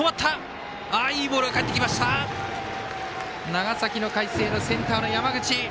長崎の海星のセンターの山口。